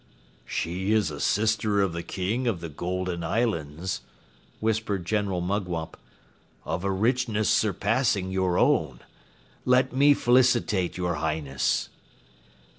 "She is a sister of the King of the Golden Islands," whispered General Mugwump. "Of a richness surpassing your own. Let me felicitate your Highness."